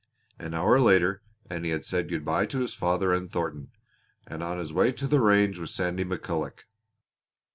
An hour later and he had said good bye to his father and Thornton, and was on his way to the range with Sandy McCulloch.